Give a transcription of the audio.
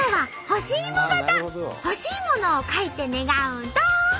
「ほしいもの」を書いて願うんと！